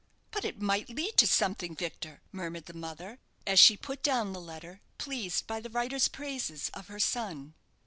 "But it might lead to something, Victor," murmured the mother, as she put down the letter, pleased by the writer's praises of her son.